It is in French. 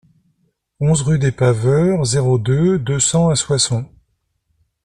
onze rue des Paveurs, zéro deux, deux cents à Soissons